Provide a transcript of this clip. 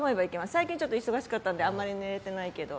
最近忙しかったのであまり寝れてないけど。